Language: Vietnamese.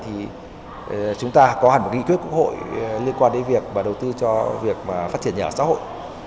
thì chúng ta có hẳn một nghị quyết của hội liên quan đến việc và đầu tư cho việc phát triển nhà ở xã hội